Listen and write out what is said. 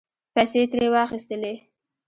پیسې یې ترې واخستلې